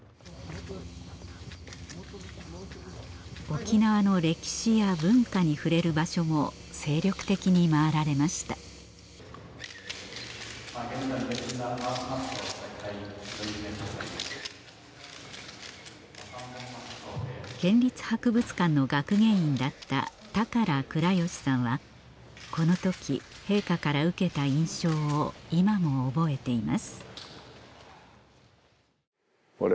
沖縄の歴史や文化に触れる場所も精力的に回られました県立博物館の学芸員だった高良倉吉さんはこの時陛下から受けた印象を今も覚えています